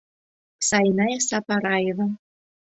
Сайнай Сапараева.